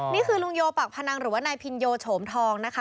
นี่คือลุงโยปากพนังหรือว่านายพินโยโฉมทองนะคะ